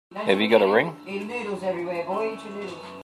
Have you got a ring?